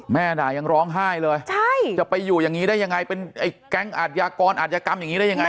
ด่ายังร้องไห้เลยจะไปอยู่อย่างนี้ได้ยังไงเป็นไอ้แก๊งอาทยากรอาจยากรรมอย่างนี้ได้ยังไง